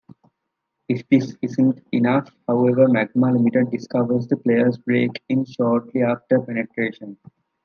If this isn't enough, however, Magma Limited discovers the player's break-in shortly after penetration.